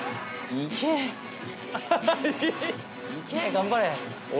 頑張れ俺。